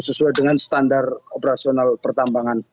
sesuai dengan standar operasional pertambangan